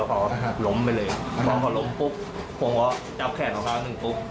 แล้วเขาล้มไปเลยพอเขาล้มปุ๊บผมก็จับแขนเขาครั้งหนึ่งปุ๊บ